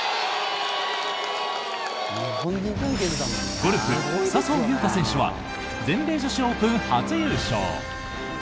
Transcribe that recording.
ゴルフ、笹生優花選手は全米女子オープン初優勝！